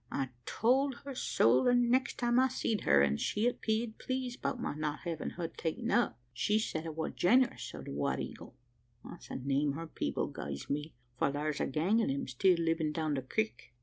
I told her so, the next time I seed her; an' she 'peared pleased 'bout my not havin' her ta'en up. She said it war generous of the White Eagle that's the name her people gies me for thar's a gang o' them still livin' down the crik.